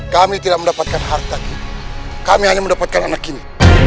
kami tidak mendapatkan harta kami hanya mendapatkan anak ini